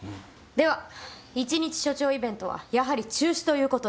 では１日署長イベントはやはり中止ということで。